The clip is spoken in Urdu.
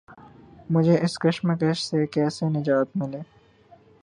مجھے اس کشمکش سے کیسے نجات ملے؟